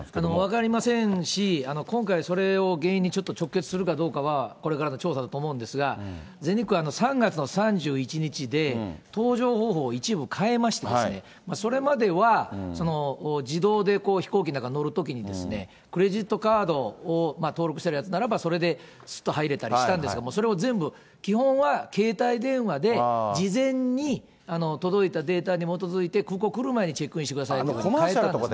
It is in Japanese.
分かりませんし、今回、それを原因にちょっと直結するかどうかは、これからの調査だと思うんですが、全日空は３月の３１日で、搭乗方法を一部変えましてですね、それまでは自動で飛行機なんか乗るときに、クレジットカードを、登録しているやつならば、それですっと入れたりしたんですが、もうそれを全部、基本は携帯電話で事前に届いたデータに基づいて、空港来る前にチェックインしてくださいというふうに変えたんです。